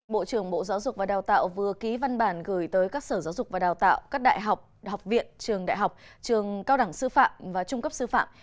bộ trưởng bộ giáo dục và đào tạo vừa ký văn bản gửi tới các sở giáo dục và đào tạo các đại học học viện trường đại học trường cao đẳng sư phạm và trung cấp sư phạm